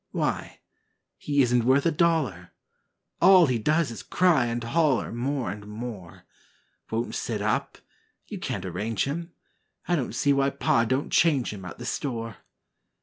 Why, he isn't worth a dollar! All he does is cry and holler More and more; Won't sit up you can't arrange him, I don't see why Pa do'n't change him At the store.